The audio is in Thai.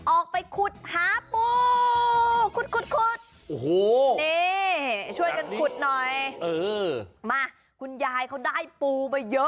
ออกไปขุดหาปู